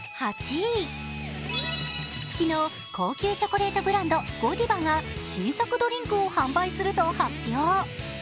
昨日、高級チョコレートブランドゴディバが新作ドリンクを販売すると発表。